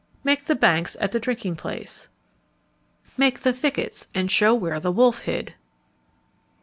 _ Make the banks at the drinking place. _Make the thickets and show where the wolf hid.